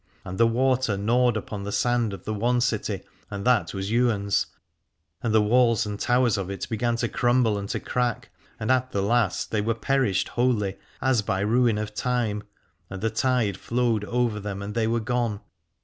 And the water gnawed upon the sand of the one city, and that was Ywain's : and the walls and towers of it began to crumble and to crack, and at the last they were perished wholly as by ruin of time, and the tide flowed over them and they were gone.